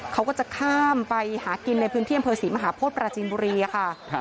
เขาก็จะข้ามไปหากินในพื้นที่อำเภอศรีมหาโพธิปราจินบุรีค่ะ